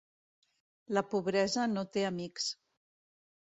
La pobresa no te amics